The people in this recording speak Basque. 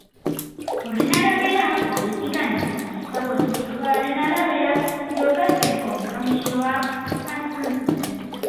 Horren arabera, politikan-eta kristau erlijioaren arabera jokatzeko konpromisoa hartu zuten.